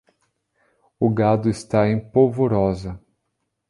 O gado está em polvorosa